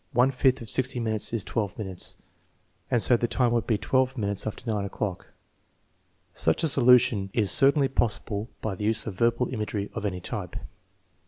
One fifth of 60 minutes is 12 minutes, and so the time would be 12 minutes after 9 o'clock." Such a solution is certainly possible by the use of verbal imagery of any type.